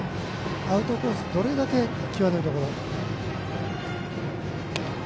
アウトコース、どれだけ際どいところへ。